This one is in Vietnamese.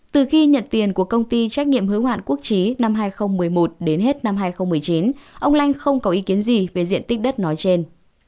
từ khi nhận tiền của công ty trách nhiệm hữu hạn quốc trí năm hai nghìn một mươi một đến hết năm hai nghìn một mươi chín ông lanh không có ý kiến gì về diện tích đất nói trên